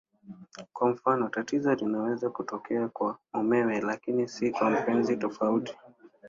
Kwa mfano, tatizo linaweza kutokea kwa mumewe lakini si kwa mpenzi tofauti.